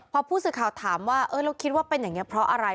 พอผู้สื่อข่าวถามว่าเราคิดว่าเป็นอย่างนี้เพราะอะไร